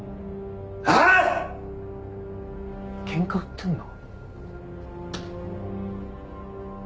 あぁ⁉ケンカ売ってんの？